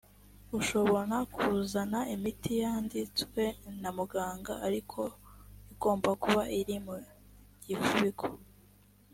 ushobona kuzana imiti yanditswe na muganga ariko igomba kuba iri mu gifubiko